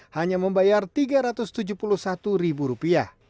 hanya membayar rp tiga ratus tujuh puluh satu